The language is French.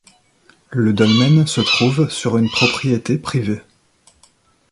Le dolmen se trouve sur une propriété privée.